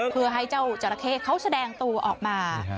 เพื่อให้เจ้าจราเข้เขาแสดงตัวออกมา